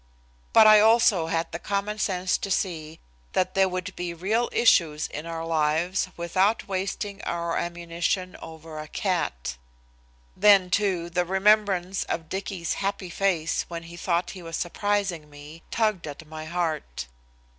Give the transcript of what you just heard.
But I also had the common sense to see that there would be real issues in our lives without wasting our ammunition over a cat. Then, too, the remembrance of Dicky's happy face when he thought he was surprising me tugged at my heart.